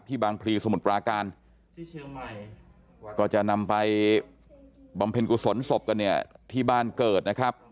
บางพลีสมุทรปราการก็จะนำไปบำเพ็ญกุศลศพกันเนี่ยที่บ้านเกิดนะครับ